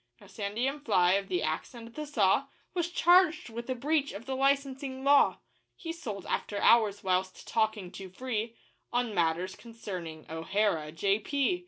Now Sandy M'Fly, of the Axe and the Saw, Was charged with a breach of the licensing law He sold after hours whilst talking too free On matters concerning O'Hara, J.P.